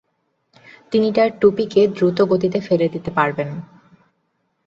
তিনি তার টুপিকে দ্রুতগতিতে ফেলে দিতে পারবেন।